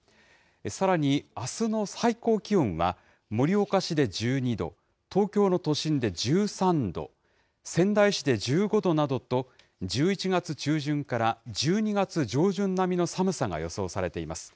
さらにあすの最高気温は、盛岡市で１２度、東京の都心で１３度、仙台市で１５度などと、１１月中旬から１２月上旬並みの寒さが予想されています。